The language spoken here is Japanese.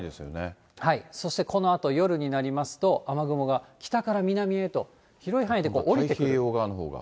そして、このあと夜になりますと、雨雲が北から南へと、太平洋側のほうが。